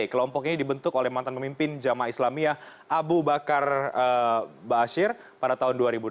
kelompok ini dibentuk oleh mantan pemimpin jamaah islamiyah abu bakar ⁇ baasyir ⁇ pada tahun dua ribu delapan